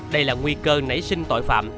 đây là nguy cơ nảy sinh tội phạm